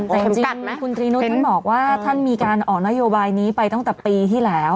แต่จริงคุณตรีนุษย์ท่านบอกว่าท่านมีการออกนโยบายนี้ไปตั้งแต่ปีที่แล้ว